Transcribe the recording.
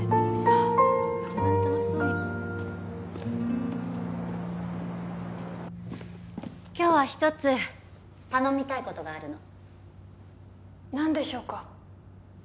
あんなに楽しそうに今日は一つ頼みたいことがあるの何でしょうか？